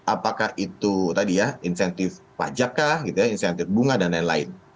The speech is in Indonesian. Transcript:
apakah itu tadi ya insentif pajak kah gitu ya insentif bunga dan lain lain